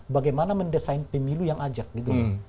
bagaimana mendesain pemilu yang ajak gitu